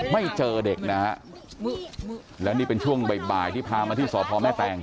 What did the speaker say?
ไม่เจอเด็กนะฮะแล้วนี่เป็นช่วงบ่ายที่พามาที่สพแม่แตง